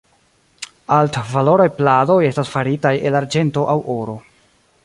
Altvaloraj pladoj estas faritaj el arĝento aŭ oro.